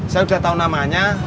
saya udah tau namanya